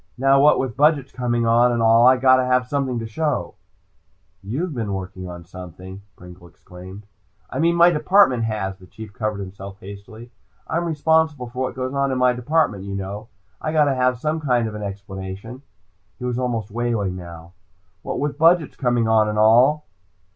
Now what with budgets coming on, and all, I gotta have something to show!" "You've been working on something " Pringle exclaimed. "I mean my department has," the Chief covered himself hastily. "I'm responsible for what goes on in my department, you know. I gotta have some kind of an explanation." He was almost wailing now. "What with budgets coming on, and all."